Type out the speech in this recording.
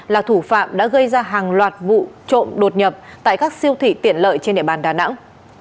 là thủ phạm đã gây ra hàng loạt vụ trộm đột nhập tại các siêu thị tiện lợi trên địa bàn đà nẵng